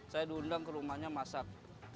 saya diundang ke rumahnya masak